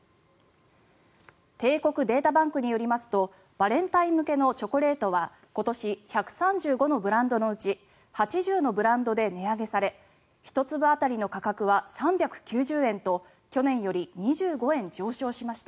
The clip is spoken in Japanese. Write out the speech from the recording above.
帝国データバンクによりますとバレンタイン向けのチョコレートは今年１３５のブランドのうち８０のブランドで値上げされ１粒当たりの価格は３９０円と去年より２５円上昇しました。